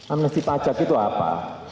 amnesti pajak itu apa